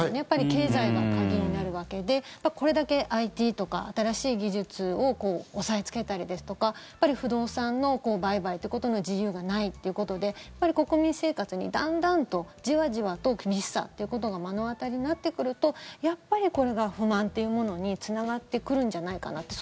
経済が鍵になるわけでこれだけＩＴとか新しい技術を押さえつけたりですとか不動産の売買ということの自由がないということで国民生活にだんだんと、じわじわと厳しさということが目の当たりになってくるとやっぱりこれが不満というものにつながってくるんじゃないかなって。